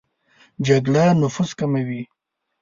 جګړه نفوس کموي